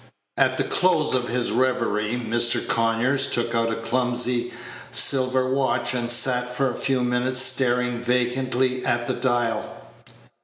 At the close of his reverie, Mr. Conyers Page 82 took out a clumsy silver watch, and sat for a few minutes staring vacantly at the dial.